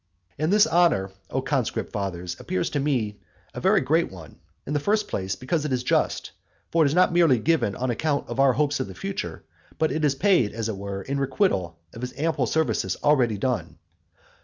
And this honour, O conscript fathers, appears to me a very great one, in the first place, because it is just; for it is not merely given on account of our hopes of the future, but it is paid, as it were, in requital of his ample services already done.